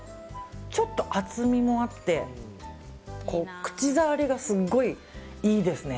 ちょっと厚みもあって口触りがすごいいいですね。